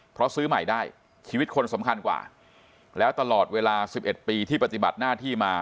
เพราะซื้อใหม่ได้ชีวิตคนสำคัญกว่าแล้วตลอดเวลา๑๑ปีที่ปฏิบัติหน้าที่มา